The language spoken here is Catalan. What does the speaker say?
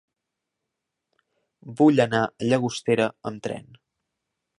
Vull anar a Llagostera amb tren.